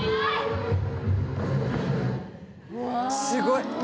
すごい！